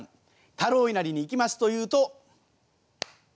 太郎稲荷に行きますというと。